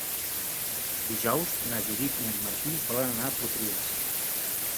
Dijous na Judit i en Martí volen anar a Potries.